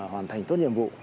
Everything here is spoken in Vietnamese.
hoàn thành tốt nhiệm vụ